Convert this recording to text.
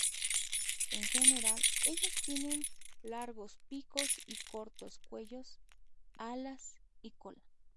En general ellas tienen largos picos y cortos cuellos, alas y colas.